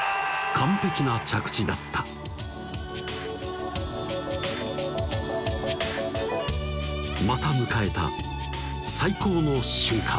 完璧な着地だったまた迎えた最高の瞬間